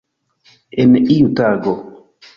En iu tago.